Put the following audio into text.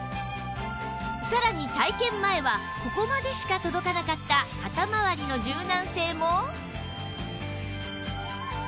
さらに体験前はここまでしか届かなかった肩まわりの柔軟性も